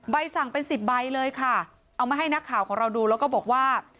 สั่งเป็นสิบใบเลยค่ะเอามาให้นักข่าวของเราดูแล้วก็บอกว่า